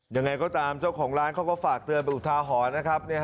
ยังไงก็ตามเจ้าของร้านเขาก็ฝากเตือนไปอุทาหรณ์นะครับ